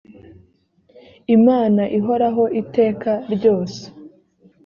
imana ihoraho iteka ryose.